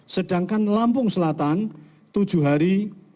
sedangkan lampung selatan tujuh hari